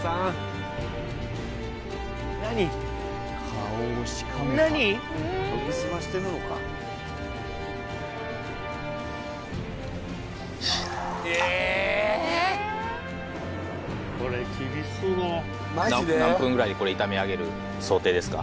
顔をしかめた何分ぐらいでこれ炒めあげる想定ですか？